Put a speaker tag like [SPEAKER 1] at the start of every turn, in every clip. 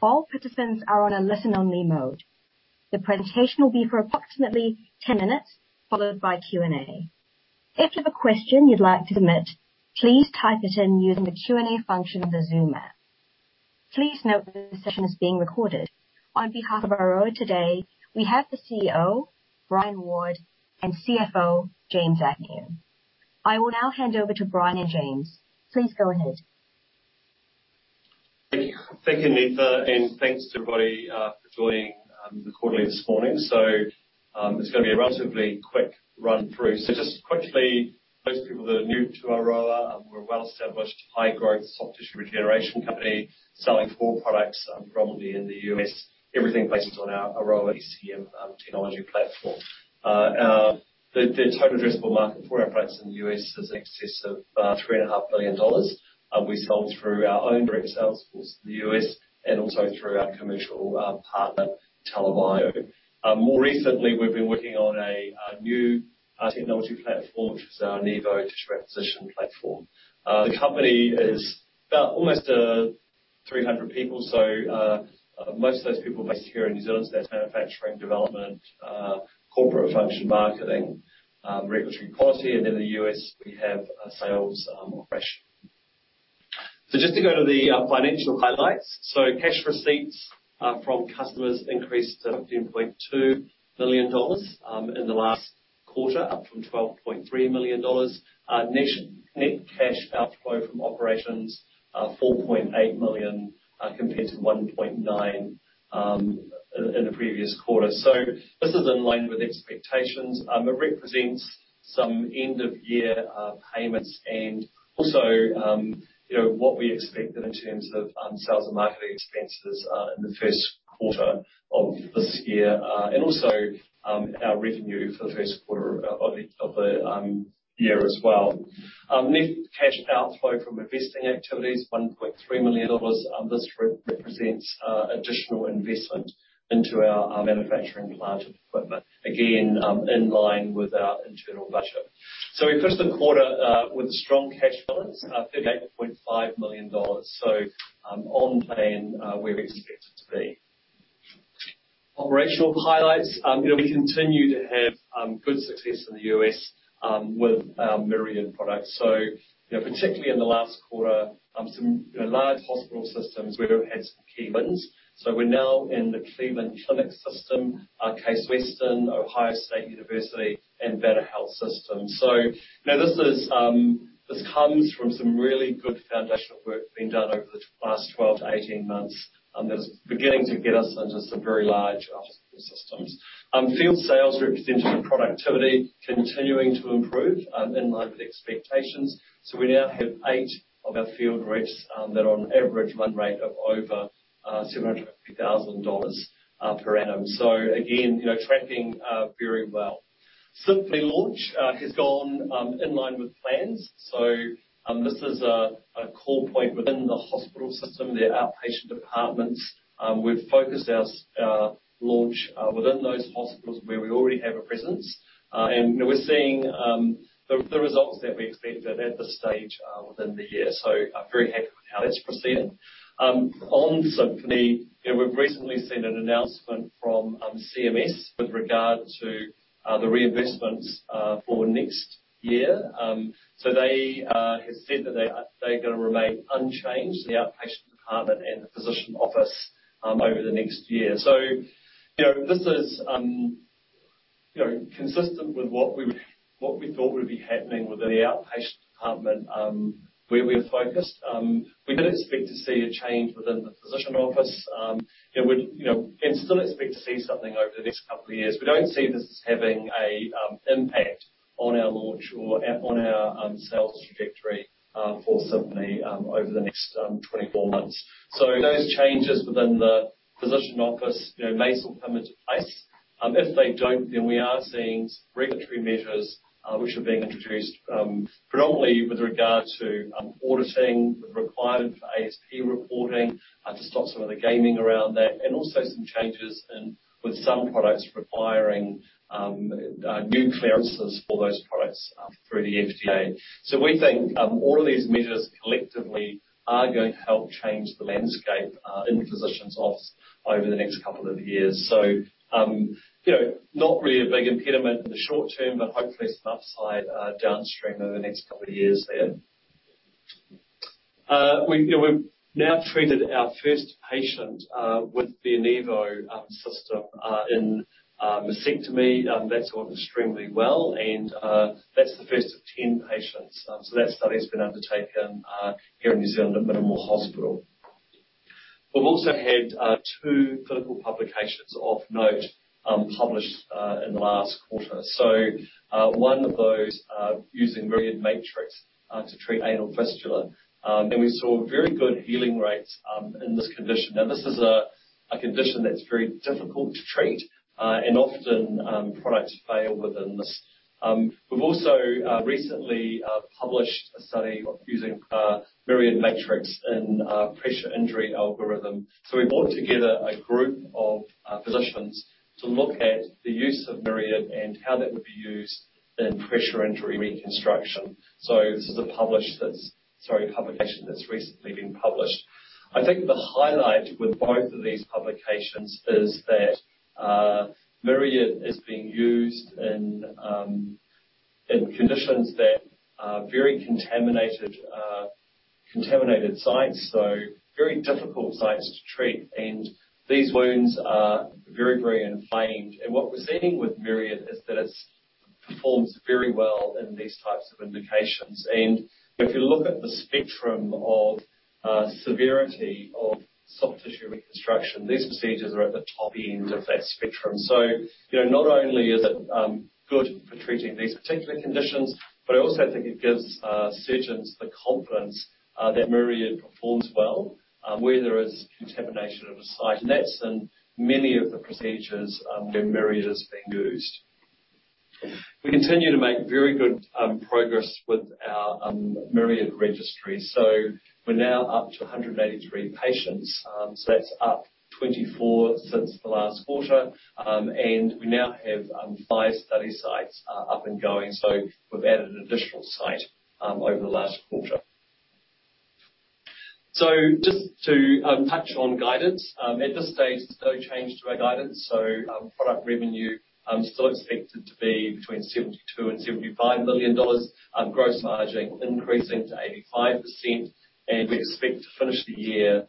[SPEAKER 1] All participants are on a listen only mode. The presentation will be for approximately 10 minutes, followed by Q&A. If you have a question you'd like to submit, please type it in using the Q&A function of the Zoom app. Please note, this session is being recorded. On behalf of Aroa today, we have the CEO, Brian Ward, and CFO, James Agnew. I will now hand over to Brian and James. Please go ahead.
[SPEAKER 2] Thank you. Thank you, Nita, thanks to everybody for joining the quarterly this morning. It's gonna be a relatively quick run-through. Just quickly, those people that are new to Aroa, we're a well-established, high-growth, soft-tissue regeneration company, selling four products predominantly in the U.S., everything based on our AROA ECM technology platform. The total addressable market for our products in the U.S. is in excess of $3.5 billion. We sell through our own direct sales force in the U.S. and also through our commercial partner, TELA Bio. More recently, we've been working on a new technology platform, which is our ENIVO tissue acquisition platform. The company is about almost 300 people, most of those people are based here in New Zealand. That's manufacturing, development, corporate function, marketing, regulatory quality, and in the US, we have a sales operation. Just to go to the financial highlights. Cash receipts from customers increased to $13.2 million in the last quarter, up from $12.3 million. Net, net cash outflow from operations, $4.8 million, compared to $1.9 million in the previous quarter. This is in line with expectations. It represents some end-of-year payments and also, you know, what we expected in terms of sales and marketing expenses in the first quarter of this year. Also, our revenue for the Q1 of the, of the year as well. Net cash outflow from investing activities, $1.3 million. This re- represents additional investment into our, our manufacturing plant and equipment. Again, in line with our internal budget. We finished the quarter with a strong cash balance, $38.5 million. On plan, where we expect it to be. Operational highlights. You know, we continue to have good success in the US, with our Myriad products. You know, particularly in the last quarter, some, you know, large hospital systems, we've had some key wins. We're now in the Cleveland Clinic system, Case Western, Ohio State University, and Better Health System. Now this is, this comes from some really good foundational work being done over the last 12 to 18 months, that is beginning to get us into some very large hospital systems. Field sales representative productivity continuing to improve in line with expectations. We now have eight of our field reps that are on average run rate of over $750,000 per annum. Again, you know, tracking very well. Symphony launch has gone in line with plans. This is a core point within the hospital system, their outpatient departments. We've focused our launch within those hospitals where we already have a presence. We're seeing the results that we expected at this stage within the year. I'm very happy with how that's proceeded. On Symphony, you know, we've recently seen an announcement from CMS with regard to the reimbursements for next year. They're gonna remain unchanged, the outpatient department and the physician office, over the next year. You know, this is, you know, consistent with what we would, what we thought would be happening with the outpatient department, where we're focused. We did expect to see a change within the physician office. You know, we, you know, and still expect to see something over the next couple of years. We don't see this as having a impact on our launch or on our sales trajectory for Symphony over the next 24 months. Those changes within the physician office, you know, may still come into place. If they don't, then we are seeing regulatory measures, which are being introduced, predominantly with regard to, auditing, the requirement for ASP reporting, to stop some of the gaming around that, and also some changes in, with some products requiring, new clearances for those products, through the FDA. We think, all of these measures collectively are going to help change the landscape, in the physician's office over the next couple of years. You know, not really a big impediment in the short term, but hopefully some upside, downstream over the next couple of years there. We, you know, we've now treated our first patient, with the ENIVO system, in mastectomy. That's gone extremely well, and that's the first of 10 patients. That study has been undertaken here in New Zealand at Middlemore Hospital. We've also had two clinical publications of note published in the last quarter. One of those using Myriad Matrix to treat anal fistula. We saw very good healing rates in this condition. Now, this is a condition that's very difficult to treat and often products fail within this. We've also recently published a study using Myriad Matrix in a pressure injury algorithm. We brought together a group of physicians to look at the use of Myriad and how that would be used in pressure injury reconstruction. This is a publication that's recently been published. I think the highlight with both of these publications is that Myriad is being used in conditions that are very contaminated, contaminated sites, so very difficult sites to treat. These wounds are very, very inflamed. What we're seeing with Myriad is that it performs very well in these types of indications. If you look at the spectrum of severity of soft tissue reconstruction, these procedures are at the top end of that spectrum. You know, not only is it good for treating these particular conditions, but I also think it gives surgeons the confidence that Myriad performs well where there is contamination of a site. That's in many of the procedures where Myriad is being used. We continue to make very good progress with our Myriad registry, so we're now up to 183 patients. That's up 24 since the last quarter. We now have 5 study sites up and going, so we've added an additional site over the last quarter. Just to touch on guidance, at this stage, no change to our guidance. Product revenue still expected to be between $72 million and $75 million, gross margin increasing to 85%, and we expect to finish the year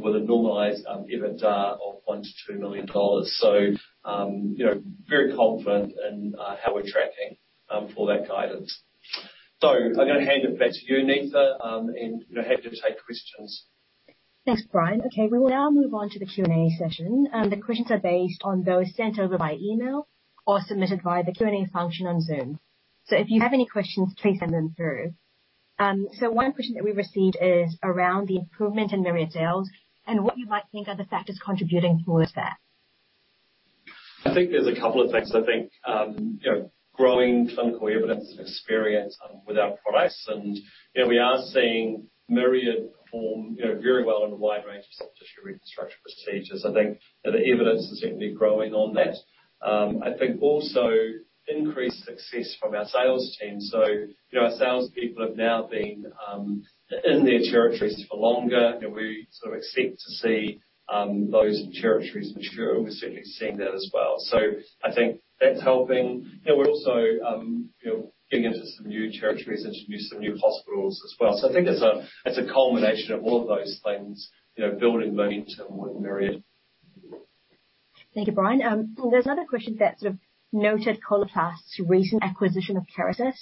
[SPEAKER 2] with a normalized EBITDA of $1 million-$2 million. You know, very confident in how we're tracking for that guidance. I'm gonna hand it back to you, Nita, and you're happy to take questions.
[SPEAKER 1] Thanks, Brian. Okay, we will now move on to the Q&A session. The questions are based on those sent over by email or submitted via the Q&A function on Zoom. If you have any questions, please send them through. One question that we received is around the improvement in Myriad sales and what you might think are the factors contributing towards that?
[SPEAKER 2] I think there's a couple of things. I think, you know, growing clinical evidence and experience with our products, and, you know, we are seeing Myriad perform, you know, very well in a wide range of soft tissue reconstruction procedures. I think that the evidence is certainly growing on that. I think also increased success from our sales team. You know, our salespeople have now been in their territories for longer, and we sort of expect to see those territories mature, and we're certainly seeing that as well. I think that's helping. You know, we're also, you know, getting into some new territories, introduced some new hospitals as well. I think it's a, it's a culmination of all of those things, you know, building momentum with Myriad.
[SPEAKER 1] Thank you, Brian. There's another question that sort of noted Coloplast's recent acquisition of Kerecis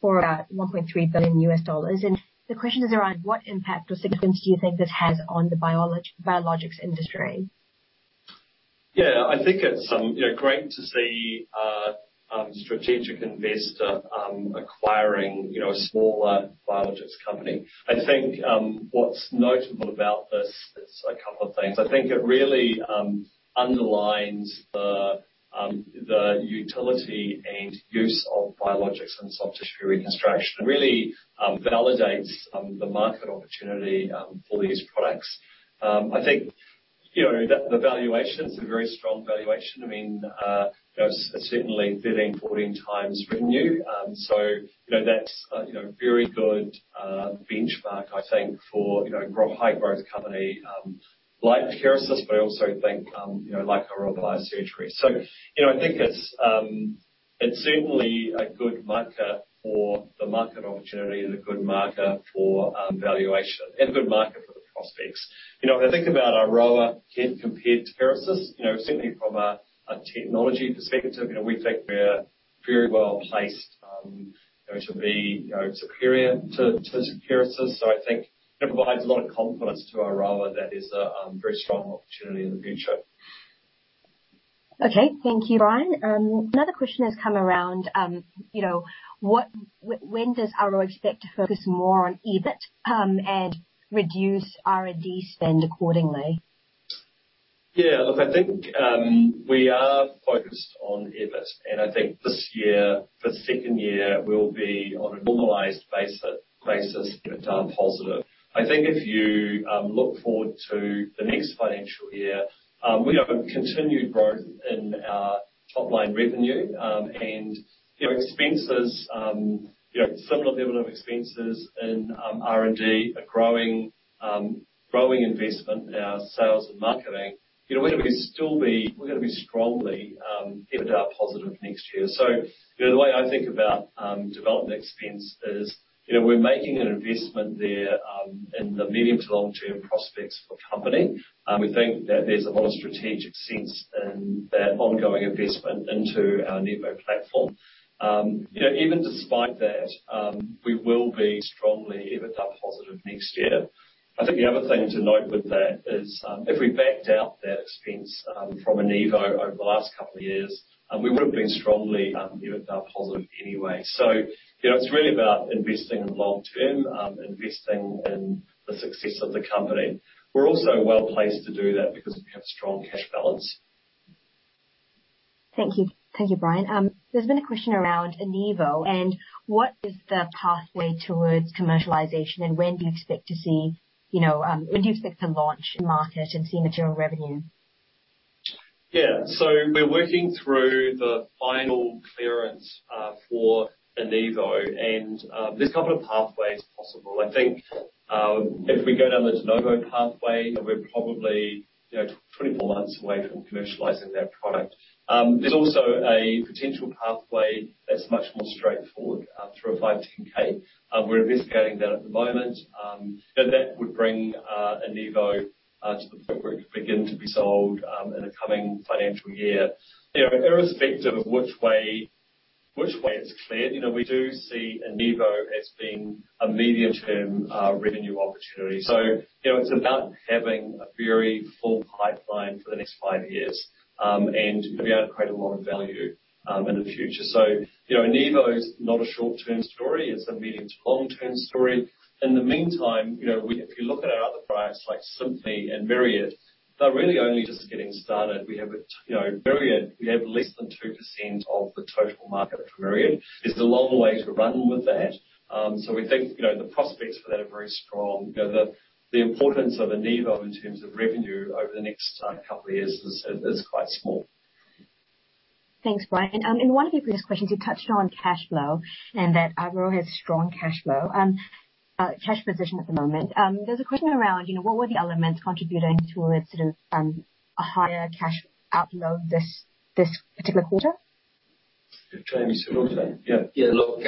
[SPEAKER 1] for about $1.3 billion, and the question is around: What impact or significance do you think this has on the biologics industry?
[SPEAKER 2] Yeah, I think it's, you know, great to see strategic investor acquiring, you know, a smaller biologics company. I think what's notable about this is a couple of things. I think it really underlines the utility and use of biologics in soft tissue reconstruction. It really validates the market opportunity for these products. I think, you know, the valuation is a very strong valuation. I mean, you know, it's certainly 13, 14x revenue. You know, that's, you know, very good benchmark, I think, for, you know, high-growth company, like Kerecis, but I also think, you know, like Aroa Biosurgery. You know, I think it's, it's certainly a good marker for the market opportunity and a good marker for, valuation and a good marker for the prospects. You know, if I think about Aroa in compared to Kerecis, you know, certainly from a, a technology perspective, you know, we think we're very well placed, you know, to be, you know, superior to, to Kerecis. I think it provides a lot of confidence to Aroa that there's a, very strong opportunity in the future.
[SPEAKER 1] Okay. Thank you, Brian. Another question has come around, you know: when does Aroa expect to focus more on EBIT, and reduce R&D spend accordingly?
[SPEAKER 2] Yeah, look, I think, we are focused on EBIT, and I think this year, for the 2nd year, we'll be on a normalized basis, EBITDA positive. I think if you look forward to the next financial year, we have a continued growth in our top-line revenue, and, you know, expenses, you know, similar level of expenses in R&D, a growing, growing investment in our sales and marketing. You know, we're gonna be, still be, we're gonna be strongly, EBITDA positive next year. You know, the way I think about development expense is, you know, we're making an investment there, in the medium to long-term prospects for the company. We think that there's a lot of strategic sense in that ongoing investment into our ENIVO platform. You know, even despite that, we will be strongly EBITDA positive next year. I think the other thing to note with that is, if we backed out that expense from ENIVO over the last 2 years, we would have been strongly EBITDA positive anyway. You know, it's really about investing in the long term, investing in the success of the company. We're also well placed to do that because we have a strong cash balance.
[SPEAKER 1] Thank you. Thank you, Brian. There's been a question around ENIVO, and what is the pathway towards commercialization, and when do you expect to see, you know, when do you expect to launch in market and see material revenue?...
[SPEAKER 2] Yeah, we're working through the final clearance for ENIVO, and there's a couple of pathways possible. I think, if we go down the De Novo pathway, we're probably, you know, 24 months away from commercializing that product. There's also a potential pathway that's much more straightforward, through a 510(k). We're investigating that at the moment. That would bring ENIVO to the point where it could begin to be sold in the coming financial year. You know, irrespective of which way, which way it's cleared, you know, we do see ENIVO as being a medium-term revenue opportunity. You know, it's about having a very full pipeline for the next 5 years, and being able to create a lot of value in the future. You know, ENIVO is not a short-term story, it's a medium to long-term story. In the meantime, you know, if you look at our other products, like Symphony and Myriad, they're really only just getting started. We have a, you know, Myriad, we have less than 2% of the total market for Myriad. There's a long way to run with that. We think, you know, the prospects for that are very strong. You know, the importance of ENIVO in terms of revenue over the next couple of years is, is quite small.
[SPEAKER 1] Thanks, Brian. In one of your previous questions, you touched on cash flow, and that Aroa has strong cash flow, cash position at the moment. There's a question around, you know, what were the elements contributing to a sort of, a higher cash outflow this, this particular quarter?
[SPEAKER 2] James, do you want to take that? Yeah.
[SPEAKER 3] Yeah, look,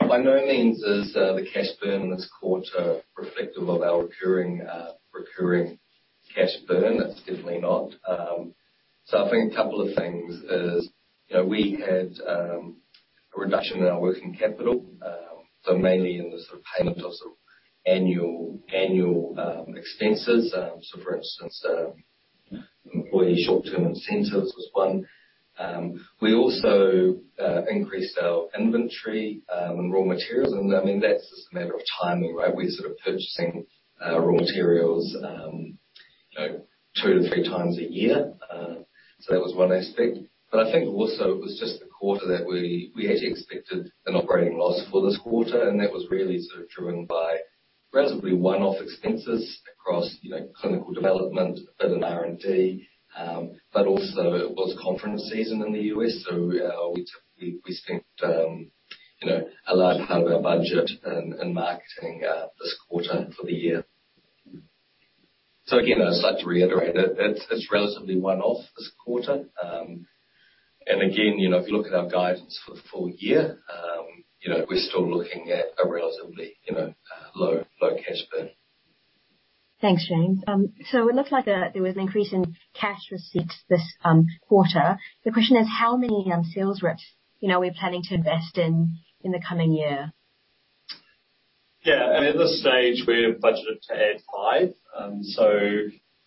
[SPEAKER 3] by no means is the cash burn this quarter reflective of our recurring, recurring cash burn. It's definitely not. I think a couple of things is, you know, we had a reduction in our working capital, so mainly in the sort of payment of sort of annual, annual expenses. For instance, employee short-term incentives was one. We also increased our inventory and raw materials, and, I mean, that's just a matter of timing, right? We're sort of purchasing raw materials, you know, 2-3 times a year. That was one aspect. I think also it was just the quarter that we, we actually expected an operating loss for this quarter. That was really sort of driven by reasonably one-off expenses across, you know, clinical development, a bit in R&D, but also it was conference season in the US. We spent, you know, a large part of our budget in, in marketing this quarter for the year. Again, I'd just like to reiterate, it, it's, it's relatively one-off this quarter. Again, you know, if you look at our guidance for the full year, you know, we're still looking at a relatively, you know, low, low cash burn.
[SPEAKER 1] Thanks, James. It looks like there was an increase in cash receipts this quarter. The question is: How many sales reps, you know, are we planning to invest in in the coming year?
[SPEAKER 2] Yeah. At this stage, we're budgeted to add 5.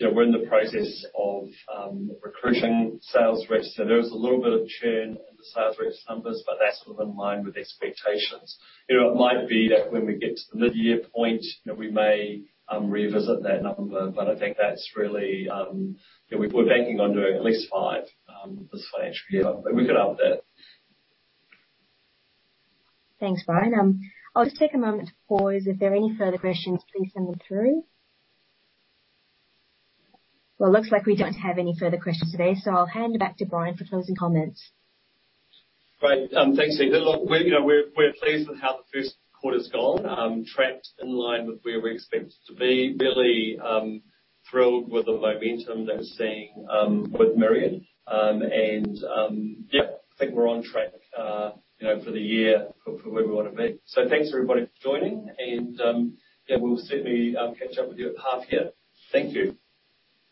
[SPEAKER 2] You know, we're in the process of recruiting sales reps. There is a little bit of churn in the sales reps numbers, but that's within line with expectations. You know, it might be that when we get to the mid-year point, you know, we may revisit that number, but I think that's really. You know, we're banking under at least 5 this financial year, but we could up that.
[SPEAKER 1] Thanks, Brian. I'll just take a moment to pause. If there are any further questions, please send them through. It looks like we don't have any further questions today, I'll hand it back to Brian for closing comments.
[SPEAKER 2] Great. Thanks, Seema. Look, we're, you know, we're, we're pleased with how the Q1 gone. Tracked in line with where we expected to be. Really, thrilled with the momentum that we're seeing with Myriad. And, yeah, I think we're on track, you know, for the year for, for where we want to be. Thanks, everybody, for joining, and, yeah, we'll certainly, catch up with you at the half year. Thank you.